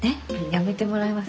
やめてもらえます？